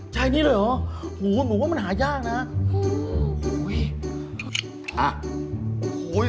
ใช่นี่เลยเหรอโหหนูว่ามันหายากนะโอ้โหอ่ะโอ้โห